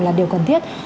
là điều cần thiết